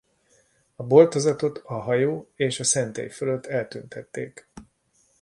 A boltozatot a hajó és a szentély fölött eltüntették.